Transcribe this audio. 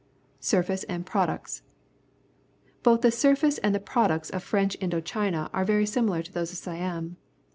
Surface and Products. — Both the surface and the products of French Indo China are very similar to those of Siam.